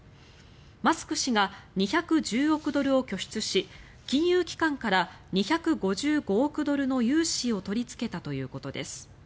マスク氏が２１０億ドルを拠出し金融機関から２５５億ドルの融資を取りつけたということです。